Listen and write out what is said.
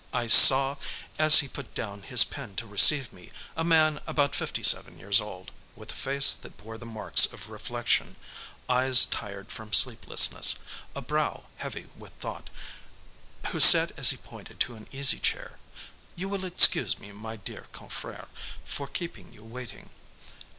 I saw, as he put down his pen to receive me, a man about fifty seven years old, with a face that bore the marks of reflection, eyes tired from sleeplessness, a brow heavy with thought, who said as he pointed to an easy chair, "You will excuse me, my dear confrère, for keeping you waiting."